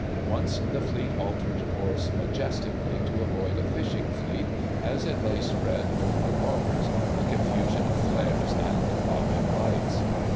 Once the Fleet altered course majestically to avoid a fishing fleet as it lay spread over the waters, a confusion of flares and bobbing lights.